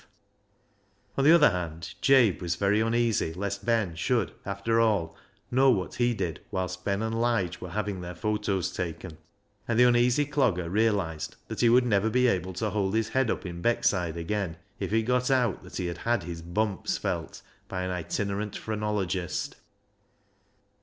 328 BECKSIDE LIGHTS On the other hand, Jabe was very uneasy lest Ben should, after all, know what he did whilst Ben and Lige were having their photos taken ; and the uneasy Clogger realised that he would never be able to hold his head up in Beckside again if it got out that he had had his " bumps " felt by an itinerant phren ologist.